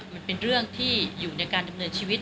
มันเป็นเรื่องที่อยู่ในการดำเนินชีวิต